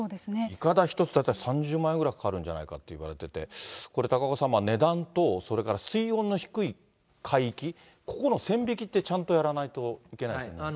いかだ１つ大体３０万円ぐらいかかるんじゃないかといわれてて、これ、高岡さん、値段とそれから水温の低い海域、ここの線引きってちゃんとやらないといけないですね。